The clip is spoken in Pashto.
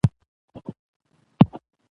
د احمد راغى